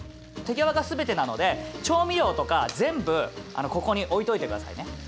手際が全てなので調味料とか全部ここに置いといてくださいね。